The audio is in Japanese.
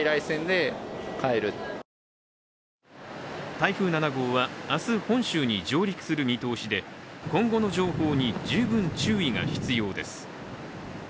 台風７号は明日、本州に上陸する見通しで今後の情報に十分注意が必要です。